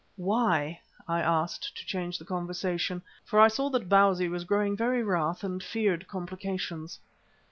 "Why?" I asked, to change the conversation, for I saw that Bausi was growing very wrath and feared complications.